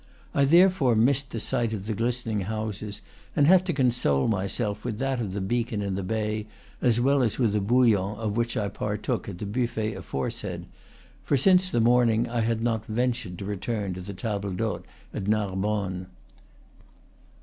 I therefore missed the sight of the glistening houses, and had to console myself with that of the beacon in the bay, as well as with a bouillon of which I partook at the buffet afore said; for, since the morning, I had not ventured to return to the table d'hote at Narbonne.